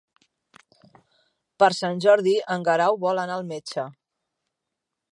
Per Sant Jordi en Guerau vol anar al metge.